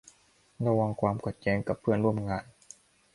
ระวังความขัดแย้งกับเพื่อนร่วมงาน